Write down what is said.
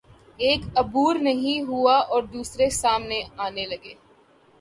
ایک عبور نہیں ہوا اور دوسرے سامنے آنے لگے۔